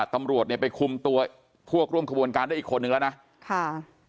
ตำรวจเนี่ยไปคุมตัวพวกร่วมขบวนการได้อีกคนนึงแล้วนะค่ะ